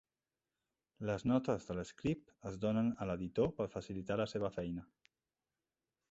Les notes del Script es donen a l'editor per facilitar la seva feina.